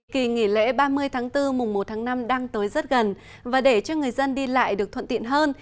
kỳ nghỉ lễ ba mươi tháng bốn mùng một tháng năm đang tới rất gần và để cho người dân đi lại được thuận tiện hơn